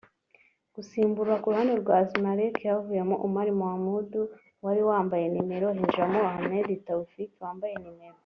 ' Gusimbura ku ruhande rwa Zmalek havuyemo Omar Mahmoud wari wambaye nimero hinjiramo Ahmed Tawfik wambaye nimero